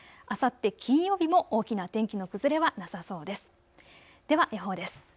あさって金曜日も大きな天気の崩れはなさそうです。